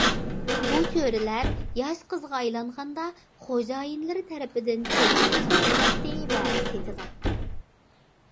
بۇ چۆرىلەر ياش قىزغا ئايلانغاندا خوجايىنلىرى تەرىپىدىن كۆرگىلى چىقىرىلاتتى ۋە سېتىلاتتى.